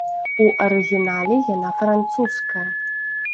У арыгінале яна французская.